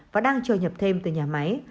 và đang chờ nhập thêm từ nhà máy